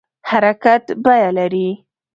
حرکت بیه لري